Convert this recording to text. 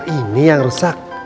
ini yang rusak